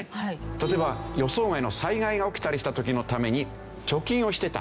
例えば予想外の災害が起きたりした時のために貯金をしてた。